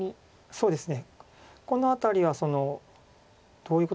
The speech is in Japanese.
そうですね。